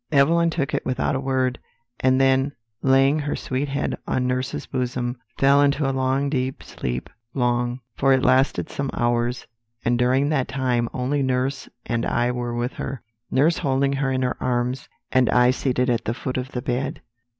"Evelyn took it without a word, and then, laying her sweet head on nurse's bosom, fell into a long deep sleep long, for it lasted some hours, and during that time only nurse and I were with her; nurse holding her in her arms, and I seated at the foot of the bed.